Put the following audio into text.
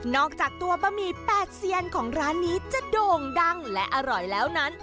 จากตัวบะหมี่แปดเซียนของร้านนี้จะโด่งดังและอร่อยแล้วนั้น